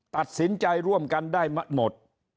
ตัดสินใจร่วมกันได้หมด